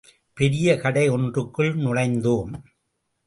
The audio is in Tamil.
பெரிய கடை ஒன்றுக்குள் நுழைந்தோம்.